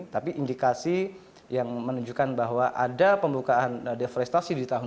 tapi indikasi yang menunjukkan bahwa ada pembukaan deforestasi di tahun dua ribu dua puluh